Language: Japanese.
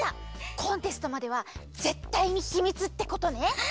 コンテストまではぜったいにひみつってことね。